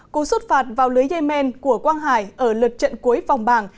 cụ xuất phạt vào lưới dây men của quang hải ở lượt trận cuối vòng bảng